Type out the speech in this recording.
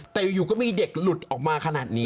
แต่อยู่ก็มีเด็กหลุดออกมาขนาดนี้